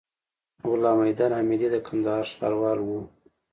غلام حيدر حميدي د کندهار ښاروال وو.